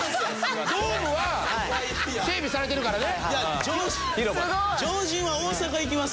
ドームは整備されてるからね。